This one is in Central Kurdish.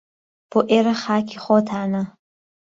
بۆ ئیره خاکی خۆتانه